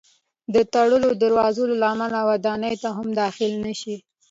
د تړلو دروازو له امله ودانۍ ته هم داخل نه شي.